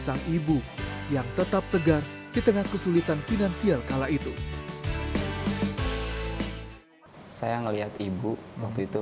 sang ibu yang tetap tegar di tengah kesulitan finansial kala itu saya melihat ibu waktu itu